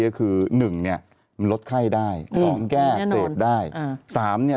ก็คือ๑มันลดไข้ได้๒แก้เศษได้